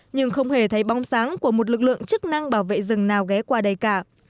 nhưng không hề thấy bóng sáng của một lực lượng chức năng bảo vệ rừng nào ghé qua đây cả